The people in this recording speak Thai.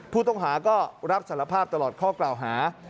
ผู้ต้องหาก็รับสารภาพตลอดข้อกล่าวหา